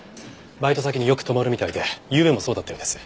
バイト先によく泊まるみたいでゆうべもそうだったようです。